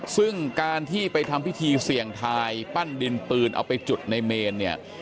ซึ่งการที่ไปทำพิธีเสี่ยงทายปั้นดินปืนเอาไปจุดในเมนเนี่ย